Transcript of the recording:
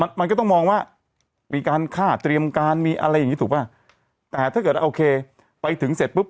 มันมันก็ต้องมองว่ามีการฆ่าเตรียมการมีอะไรอย่างงี้ถูกป่ะแต่ถ้าเกิดโอเคไปถึงเสร็จปุ๊บ